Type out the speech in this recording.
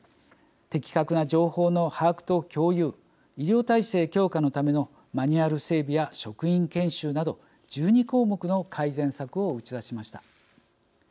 的確な情報の把握と共有医療体制強化のためのマニュアル整備や職員研修など１２項目の改善策を打ち出しました。